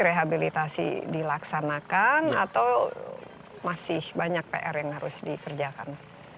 rehabilitasi dilaksanakan atau masih banyak pr yang harus dikerjakan